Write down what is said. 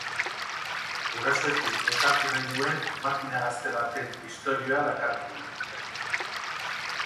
Gurasoekin elkartu nahi duen makina gazte baten istorioa dakarkigu.